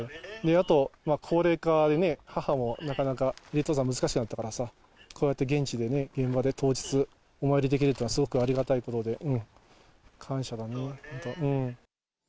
あと、高齢化でね、母もなかなか、登山、難しくなったからさ、こうやって現地でね、現場で当日、お参りできるのは、すごくありがたいことで、感謝だね、本当。